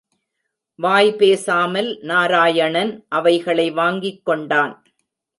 வாய் பேசாமல், நாராயணன் அவைகளை வாங்கிக் கொண்டான்.